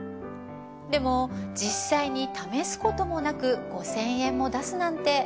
でも実際に試すこともなく５，０００円も出すなんて。